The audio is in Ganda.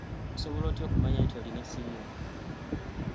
Osobola otya okumanya nti olina siriimu?